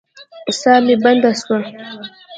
ساه مي بنده سوه.